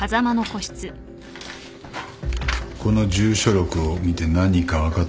この住所録を見て何か分かったことは？